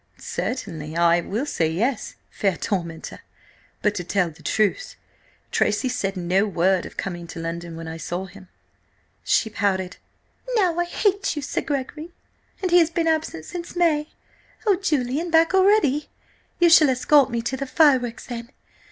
"Certainly I will say yes, fair tormentor! But, to tell the truth, Tracy said no word of coming to London when I saw him." She pouted. "Now I hate you, Sir Gregory! And he has been absent since May! Oh, Julian, back already? You shall escort me to the fireworks then.